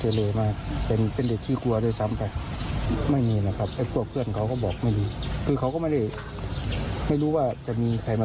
ครับก็เลยไม่ได้ระวังตัวนี้